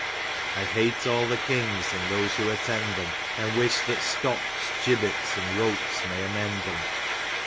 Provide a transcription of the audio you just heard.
I hate all the kings and those who attend them, And wish that stocks, gibbets and ropes may amend them.